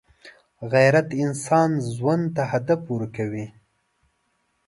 غیرت انسان ژوند ته هدف ورکوي